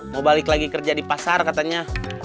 mau balik lagi kerja di pasar katanya